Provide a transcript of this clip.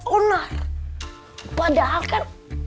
onar padahal kan